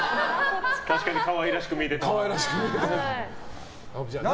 確かに可愛らしく見えてたな。